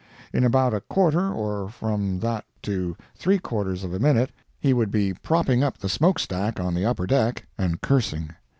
In about a quarter, or from that to three quarters of a minute, he would be propping up the smoke stack on the upper deck and cursing.